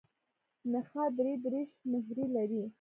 نخاع درې دیرش مهرې لري.